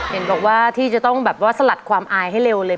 เห็นบอกว่าที่จะต้องแบบว่าสลัดความอายให้เร็วเลย